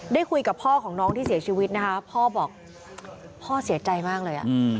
คุยกับพ่อของน้องที่เสียชีวิตนะคะพ่อบอกพ่อเสียใจมากเลย